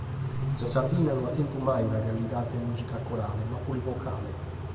Sa Sardigna no at tentu mai una realidade de mùsica corale, ma polivocale.